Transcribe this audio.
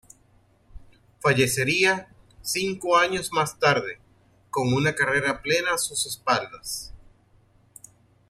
Fallecería cinco años más tarde, con una carrera plena a sus espaldas.